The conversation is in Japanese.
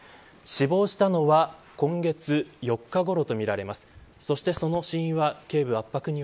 死亡したのは今月４日ごろとみられます。